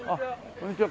こんにちは。